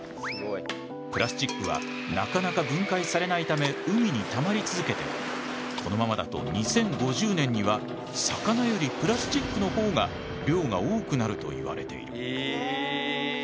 プラスチックはなかなか分解されないため海にたまり続けてこのままだと２０５０年には魚よりプラスチックの方が量が多くなるといわれている。